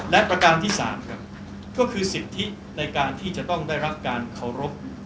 และประการที่๓ครับก็คือสิทธิในการที่จะต้องได้รับการเคารพ